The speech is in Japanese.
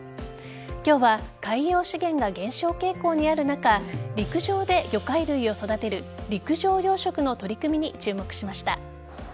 今日は海洋資源が減少傾向にある中陸上で魚介類を育てる陸上養殖の取り組みに注目しました。